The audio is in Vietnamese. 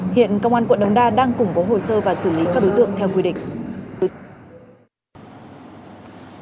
hiện công an quận đống đa đang củng cố hồ sơ và xử lý các đối tượng theo quy định